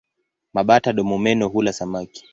Mabata-domomeno hula samaki.